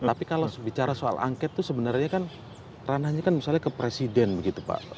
tapi kalau bicara soal angket itu sebenarnya kan ranahnya kan misalnya ke presiden begitu pak